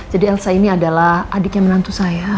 jadi elsa ini adalah adiknya menantu saya